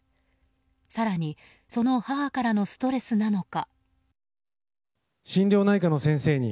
更に、その母からのストレスなのか。